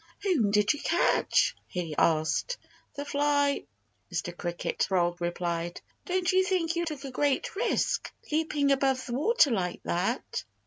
"Whom did you catch?" he asked. "The fly!" Mr. Cricket Frog replied. "Don't you think you took a great risk, leaping above the water like that?"